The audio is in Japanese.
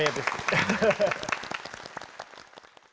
アハハハ。